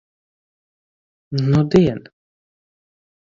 Nudien.